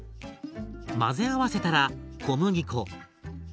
混ぜ合わせたら小麦粉。